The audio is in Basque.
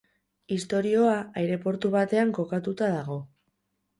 Istorioa aireportu batean kokatuta dago.